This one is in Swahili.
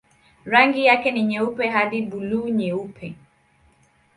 Rangi yake ni nyeupe hadi buluu-nyeupe.